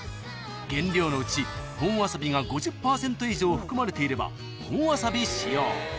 ［原料のうち本わさびが５０％以上含まれていれば「本わさび使用」］